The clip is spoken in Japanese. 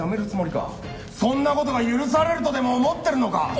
そんな事が許されるとでも思ってるのか！？